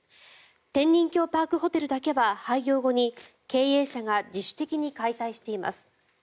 天人峡パークホテルだけは廃業後に経営者が自主的に解体しています。